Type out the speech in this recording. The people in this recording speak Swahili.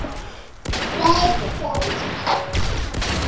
Makao makuu yako Paris, Ufaransa.